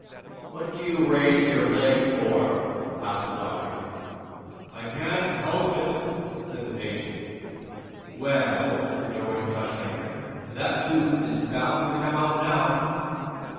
"What do you raise your leg for?" asked the Doctor. "I can't help it," said the patient. "Well," rejoined Tushmaker, "that tooth is bound to come out now."